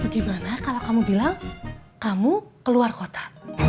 gimana kalau kamu bilang kamu keluar kota